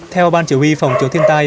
theo ban chỉ huy phòng chống thiên tai